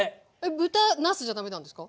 豚なすじゃダメなんですか？